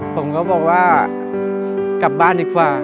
ผมก็บอกว่ากลับบ้านดีกว่า